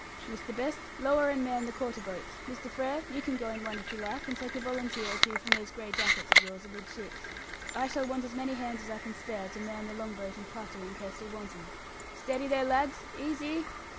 "Mr. Best lower and man the quarter boats! Mr. Frere you can go in one, if you like, and take a volunteer or two from those grey jackets of yours amidships. I shall want as many hands as I can spare to man the long boat and cutter, in case we want 'em. Steady there, lads! Easy!"